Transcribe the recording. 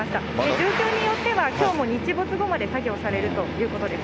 状況によってはきょうも日没後まで作業されるということです。